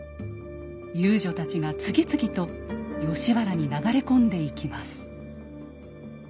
遊女たちが次々と吉原に流れ込んでいきます。